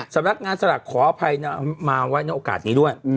สำนักงานสลากขออภัยมาไว้ในโอกาสนี้ด้วย